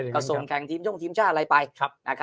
ก็ส่งแข่งทีมย่งทีมชาติอะไรไป